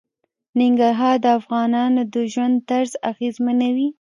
ننګرهار د افغانانو د ژوند طرز اغېزمنوي.